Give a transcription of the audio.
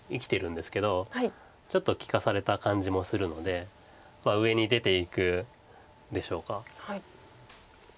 ちょっと利かされた感じもするので上に出ていくんでしょうか。